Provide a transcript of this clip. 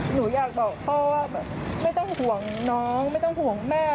หนูอยากบอกพ่อว่าแบบไม่ต้องห่วงน้องไม่ต้องห่วงแม่